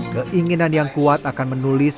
keinginan yang kuat akan menulis